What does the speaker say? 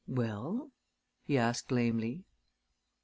"Well?" he asked lamely.